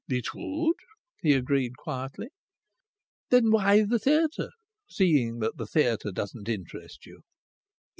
"It would," he agreed quietly. "Then why the theatre, seeing that the theatre doesn't interest you?"